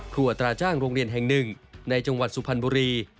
อัตราจ้างโรงเรียนแห่งหนึ่งในจังหวัดสุพรรณบุรี